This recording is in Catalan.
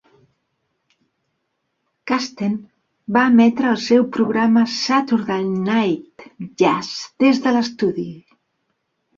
Kasten va emetre el seu programa Saturday Night Jazz des de l'estudi.